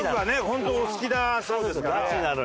本当お好きだそうですから。